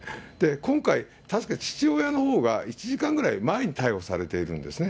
今回、確か父親のほうが、１時間ぐらい前に逮捕されているんですね。